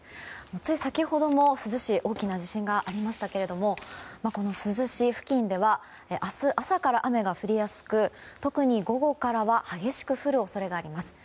つい先ほども珠洲市大きな地震がありましたがこの珠洲市付近では明日朝から雨が降りやすく特に午後からは激しく降る恐れがあります。